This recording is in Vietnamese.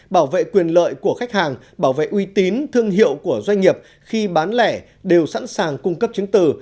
bảo vệ quyền lợi của khách hàng bảo vệ uy tín thương hiệu của doanh nghiệp khi bán lẻ đều sẵn sàng cung cấp chứng từ